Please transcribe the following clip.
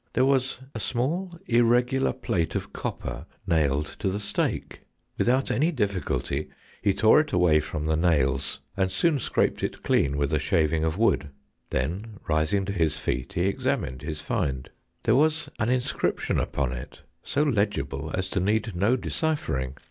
There was a small irregular plate of copper nailed to the stake ; without any difficulty he tore it away from the nails, and soon scraped it clean with a shaving of wood; then, rising to his feet, he examined his find. There was an inscription upon it, so legible as to need no deciphering.